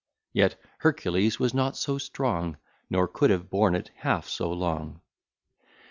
Yet Hercules was not so strong, Nor could have borne it half so long.